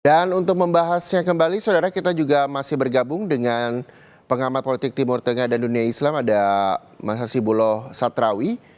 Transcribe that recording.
dan untuk membahasnya kembali saudara kita juga masih bergabung dengan pengamat politik timur tengah dan dunia islam ada masa sibulo satrawi